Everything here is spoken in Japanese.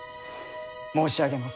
申し上げます。